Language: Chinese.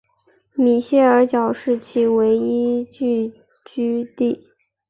米歇尔角是其唯一聚居地。